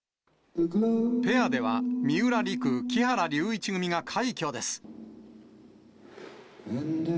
ペアでは、三浦璃来・木原龍一組が快挙です。